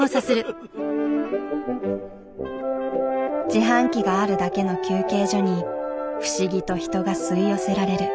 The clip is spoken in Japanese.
自販機があるだけの休憩所に不思議と人が吸い寄せられる。